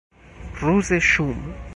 روز شوم